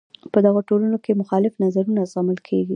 په دغو ټولنو کې مخالف نظرونه زغمل کیږي.